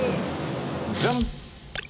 ジャン！